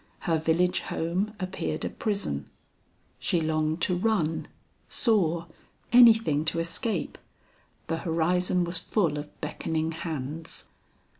Her village home appeared a prison; she longed to run, soar anything to escape; the horizon was full of beckoning hands.